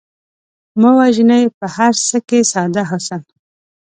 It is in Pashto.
مه وژنئ په هر څه کې ساده حسن